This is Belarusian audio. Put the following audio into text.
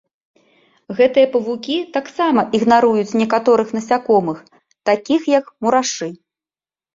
Гэтыя павукі таксама ігнаруюць некаторых насякомых, такіх як мурашы.